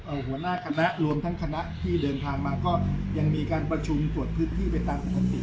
หัวหน้าคณะรวมทั้งคณะที่เดินทางมาก็ยังมีการประชุมตรวจพื้นที่ไปตามสถิติ